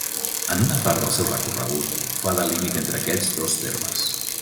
En una part del seu recorregut fa de límit entre aquests dos termes.